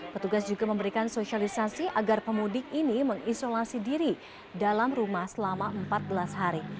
petugas juga memberikan sosialisasi agar pemudik ini mengisolasi diri dalam rumah selama empat belas hari